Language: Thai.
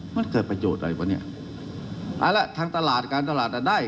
มันเกิดประโยชน์อะไรวะเนี่ยเอาละทางตลาดการตลาดอ่ะได้